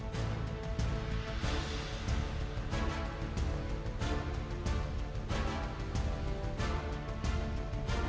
bahagia akan tersang